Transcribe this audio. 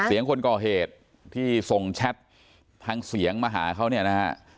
คนก่อเหตุที่ส่งแชททางเสียงมาหาเขาเนี่ยนะฮะ